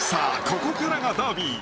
ここからがダービー！